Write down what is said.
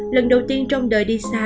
lần đầu tiên trong đời đi xa